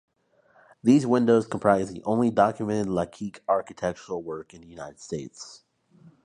These windows comprise the only documented Lalique architectural work in the United States.